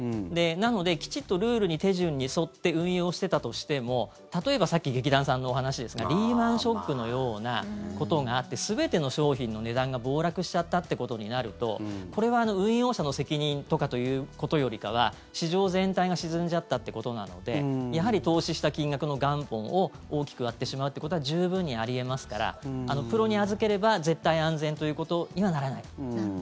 なのできちんとルールに、手順に沿って運用していたとしても例えば、さっき劇団さんのお話ですがリーマン・ショックのようなのがあって全ての商品の値段が暴落しちゃったってことになるとこれは運用者の責任とかということよりかは市場全体が沈んじゃったってことなのでやはり投資した金額の元本を大きく割ってしまうってことは十分にあり得ますからプロに預ければ絶対安全ということにはならない。